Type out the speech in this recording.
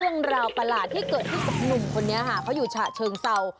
เรื่องราวประหลาดที่เกิดที่กับหนุ่มคนนี้ค่ะเขาอยู่ฉะเชิงเซา